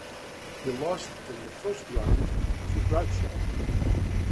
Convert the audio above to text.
He lost in the first round to Bradshaw.